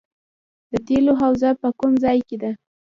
د تیلو حوزه په کوم ځای کې ده؟